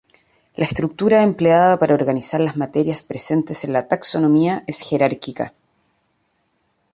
La estructura empleada para organizar las materias presentes en la taxonomía es jerárquica.